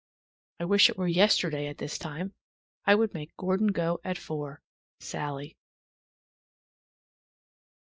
I wish it were yesterday at this time. I would make Gordon go at four. SALLIE.